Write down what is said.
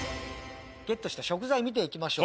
ゲットした食材見ていきましょう。